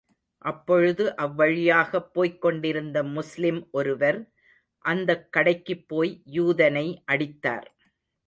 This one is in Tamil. அப்பொழுது அவ்வழியாகப் போய்க் கொண்டிருந்த முஸ்லிம் ஒருவர், அந்தக் கடைக்குப் போய் யூதனை அடித்தார்.